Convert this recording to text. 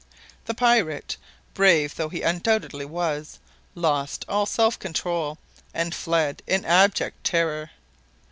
The pirate, brave though he undoubtedly was, lost all self control, and fled in abject terror.